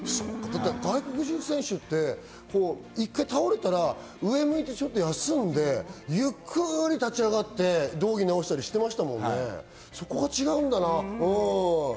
外国人選手って１回倒れたら上を見て少し休んで、ゆっくり立ち上がって道着を直したりしてましたもんね。